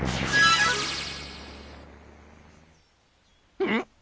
うん？